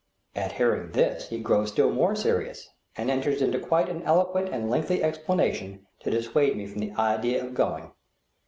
At hearing this, he grows still more serious, and enters into quite an eloquent and lengthy explanation, to dissuade me from the idea of going.